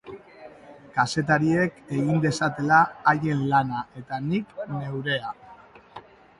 Kazetariek egin dezatela haien lana eta nik neurea.